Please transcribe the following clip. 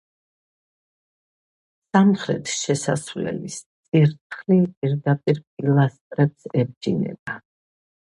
სამხრეთი შესასვლელის წირთხლი პირდაპირ პილასტრებს ებჯინება.